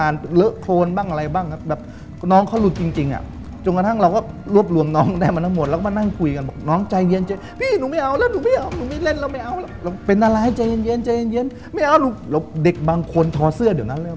เด็กบางคนคอนจะทอเสื้อเดี่ยวนั่นเรียวพี่แดโก